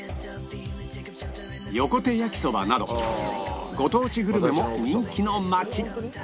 横手やきそばなどご当地グルメも人気の町